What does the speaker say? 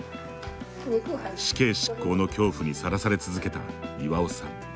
死刑執行の恐怖にさらされ続けた巌さん。